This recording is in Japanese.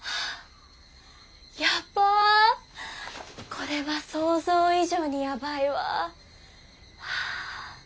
これは想像以上にヤバいわ。